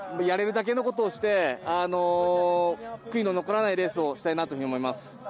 やれるだけのことをして悔いの残らないレースをしたいなと思います。